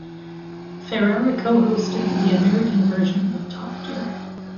Ferrara co-hosted the American version of "Top Gear".